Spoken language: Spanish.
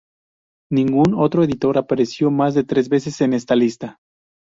Ningún otro editor apareció más de tres veces en esta lista.